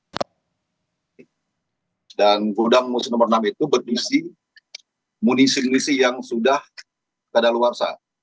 gudang musim nomor enam itu berisi munisi munisi yang sudah terdalu warsa